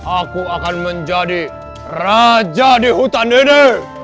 aku akan menjadi raja di hutan dede